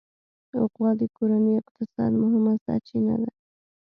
غوا د کورني اقتصاد مهمه سرچینه ده.